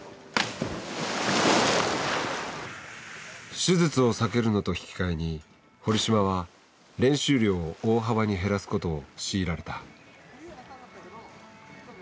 手術を避けるのと引き換えに堀島は練習量を大幅に減らすことを強いられた。